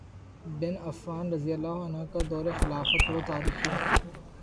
بن Affan رضی اللہ عنہ کا دور خلافت وہ تاریخی